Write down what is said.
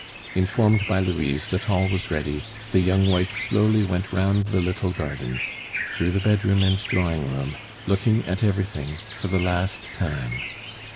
Informed by Louise that all was ready, the young wife slowly went round the little garden, through the bedroom and drawing room, looking at everything for the last time.